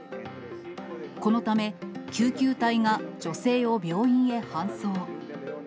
このため、救急隊が女性を病院へ搬送。